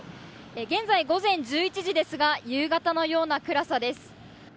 現在午前１１時ですが夕方のような暗さです。